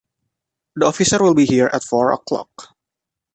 The officer will be here at four o’clock'.